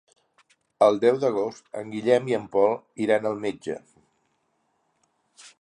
El deu d'agost en Guillem i en Pol iran al metge.